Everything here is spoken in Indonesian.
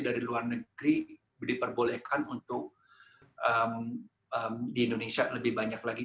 dari luar negeri diperbolehkan untuk di indonesia lebih banyak lagi